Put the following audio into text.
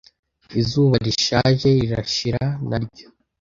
izuba rishaje rirashira naryo